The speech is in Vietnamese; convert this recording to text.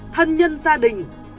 thân nhân gia đình